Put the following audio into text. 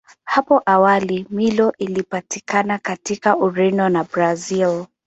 Hapo awali Milo ilipatikana katika Ureno na Brazili.